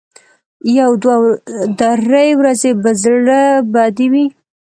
یو دوه درې ورځې به زړه بدې وي.